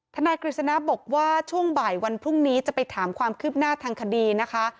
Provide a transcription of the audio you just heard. นายกฤษณะบอกว่าช่วงบ่ายวันพรุ่งนี้จะไปถามความคืบหน้าทางคดีนะคะ